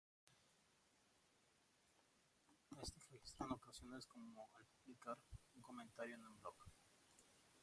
Estos se registran en algunas ocasiones, como al publicar un comentario en un blog.